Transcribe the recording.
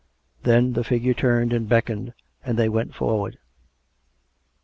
Then the figure turned and beckoned, and they went forward.